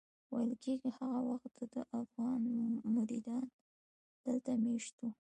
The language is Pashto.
ویل کېږي هغه وخت دده افغان مریدان دلته مېشت وو.